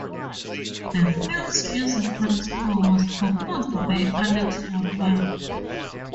The film's musical score was composed by Alex Wurman.